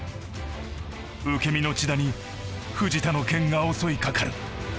受け身の千田に藤田の剣が襲いかかる。